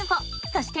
そして。